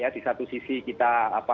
di satu sisi kita